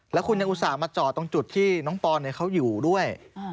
แล้วคุณยังอุตส่าห์มาจอดตรงจุดที่น้องปอนเขาอยู่ด้วย